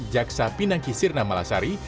jaksa pinangki sirna malasari